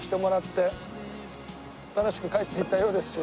楽しく帰っていったようですし。